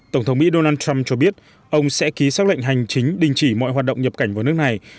tổng thống mỹ donald trump cho biết ông sẽ ký xác lệnh hành chính đình chỉ mọi hoạt động nhập cảnh vào nước này